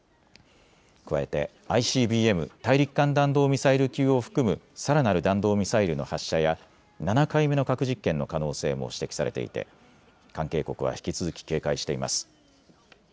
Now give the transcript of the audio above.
加えてＩＣＢＭ・大陸間弾道ミサイル級を含むさらなる弾道ミサイルの発射や７回目の核実験の可能性も指摘されていて関係国は引き続き警戒しています。